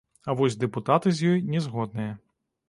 А вось дэпутаты з ёй не згодныя.